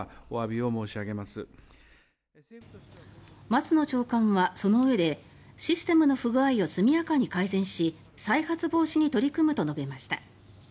松野長官はその上で「システムの不具合を速やかに改善し再発防止に取り組む」と述べました。